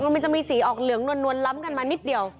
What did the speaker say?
มันจะมีสีออกเหลืองนวลล้ำกันมานิดเดียว